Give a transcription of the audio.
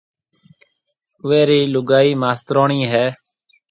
اوئيَ رِي لوگائي ماستروڻِي ھيََََ